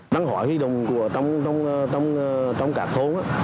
đáng hỏi huy động trong các thôn